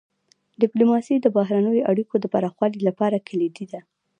ډيپلوماسي د بهرنیو اړیکو د پراخولو لپاره کلیدي ده.